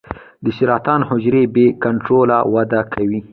د سرطان حجرو بې کنټروله وده کوي.